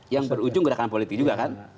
yang berujung gerakan politik juga kan